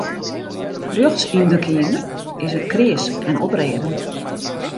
Rjochts yn de keamer is it kreas en oprêden.